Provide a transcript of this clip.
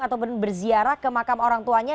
ataupun berziarah ke makam orang tuanya